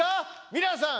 皆さん。